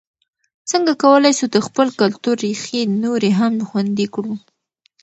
څنګه کولای سو د خپل کلتور ریښې نورې هم خوندي کړو؟